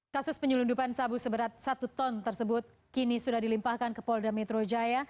kasus penyelundupan sabu seberat satu ton tersebut kini sudah dilimpahkan ke polda metro jaya